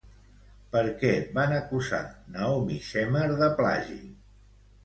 Per què van acusar Naomi Shemer de plagi?